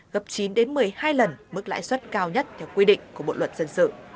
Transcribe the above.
gấp chín đến một mươi hai lần mức lãi suất cao nhất theo quy định của bộ luật dân sự